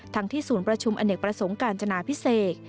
ที่ศูนย์ประชุมอเนกประสงค์การจนาพิเศษ